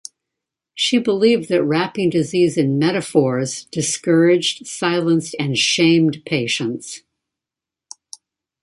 She believed that wrapping disease in metaphors discouraged, silenced, and shamed patients.